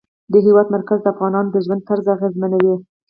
د هېواد مرکز د افغانانو د ژوند طرز اغېزمنوي.